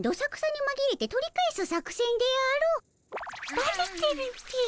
バレてるっピ。